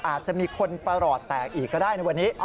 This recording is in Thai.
อาจจะมีคนประหลอดแตกอีกก็ได้ในวันนี้